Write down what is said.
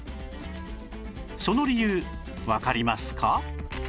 その理由わかりますか？